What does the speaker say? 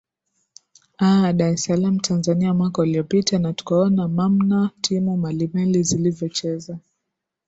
aa dar es salam tanzania mwaka uliopita na tukaona mamna timu mbalimbali zilivyocheza